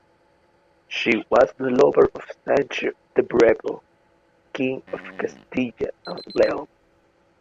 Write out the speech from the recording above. She was the lover of Sancho “the Bravo”, King of Castilla and León.